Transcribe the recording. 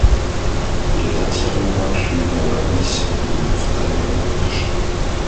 Il est entièrement inclus dans l'arrondissement de Mortagne-au-Perche.